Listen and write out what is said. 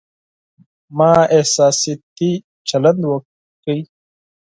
ما احساساتي چلند وکړ